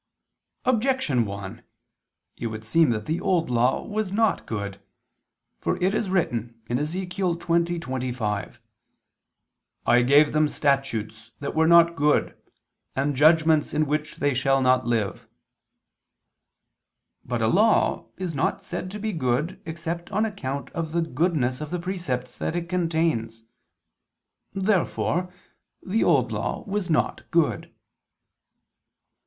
Objection 1: It would seem that the Old Law was not good. For it is written (Ezech. 20:25): "I gave them statutes that were not good, and judgments in which they shall not live." But a law is not said to be good except on account of the goodness of the precepts that it contains. Therefore the Old Law was not good.